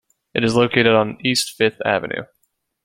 It is located on East Fifth Avenue.